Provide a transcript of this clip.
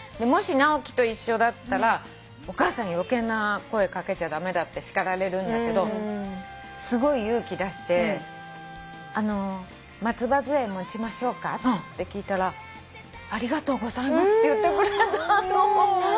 もし直樹と一緒だったらお母さん余計な声掛けちゃ駄目だって叱られるんだけどすごい勇気出して「あの松葉づえ持ちましょうか」って聞いたら「ありがとうございます」って言ってくれたの。